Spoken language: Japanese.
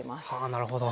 なるほど。